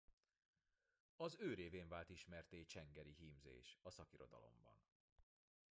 Az ő révén vált ismertté csengeri hímzés a szakirodalomban.